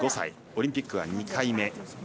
オリンピックは２回目。